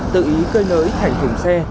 tự ý cây nới thành thùng xe